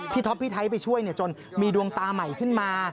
ท็อปพี่ไทยไปช่วยจนมีดวงตาใหม่ขึ้นมา